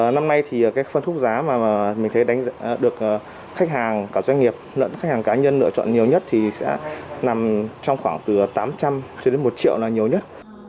năm nay thì cái phân khúc giá mà mình thấy được khách hàng cả doanh nghiệp lẫn khách hàng cá nhân lựa chọn nhiều nhất thì sẽ nằm trong khoảng từ tám trăm linh cho đến một triệu là nhiều nhất